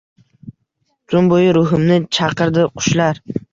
Tun bo‘yi ruhimni chaqirdi qushlar